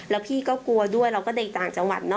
แล้วพี่ก็กลัวด้วยเราก็เด็กต่างจังหวัดนะ